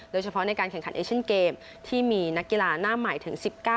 โดยเฉพาะในการแข่งขันเอเชียนเกมที่มีนักกีฬาหน้าใหม่ถึง๑๙